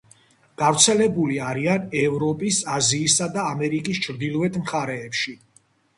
გავრცელებული არიან ევროპის, აზიისა და ამერიკის ჩრდილოეთ მხარეებში.